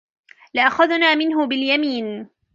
لأخذنا منه باليمين